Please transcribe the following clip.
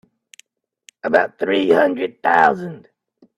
About three hundred thousand.